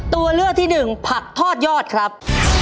ตัวเลือกที่หนึ่งผักทอดยอดครับ